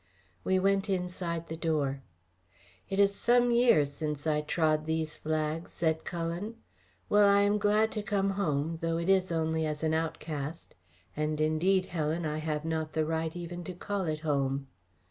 We went inside the door. "It is some years since I trod these flags," said Cullen. "Well, I am glad to come home, though it is only as an outcast; and indeed, Helen, I have not the right even to call it home."